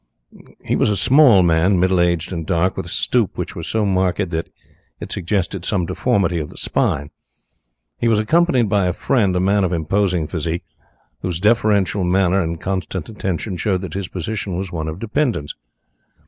He was a small man, middle aged and dark, with a stoop which was so marked that it suggested some deformity of the spine. He was accompanied by a friend, a man of imposing physique, whose deferential manner and constant attention showed that his position was one of dependence.